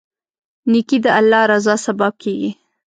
نیکي د الله رضا سبب کیږي.